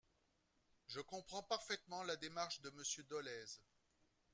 Je comprends parfaitement la démarche de Monsieur Dolez.